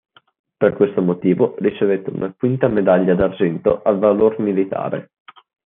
Per questo motivo ricevette una quinta Medaglia d'argento al valor militare.